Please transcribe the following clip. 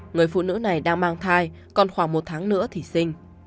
người phụ nữ này đang mang thai còn khoảng một tháng nữa thì sinh